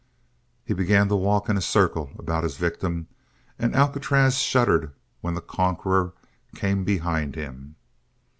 He began to walk in a circle about his victim, and Alcatraz shuddered when the conqueror came behind him.